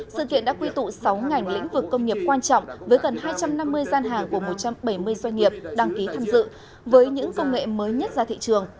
sự kiện đã quy tụ sáu ngành lĩnh vực công nghiệp quan trọng với gần hai trăm năm mươi gian hàng của một trăm bảy mươi doanh nghiệp đăng ký tham dự với những công nghệ mới nhất ra thị trường